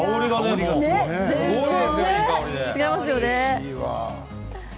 違いますよね。